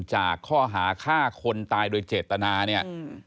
จากข้อหาฆ่าคนตายโดยเจตนาเนี่ย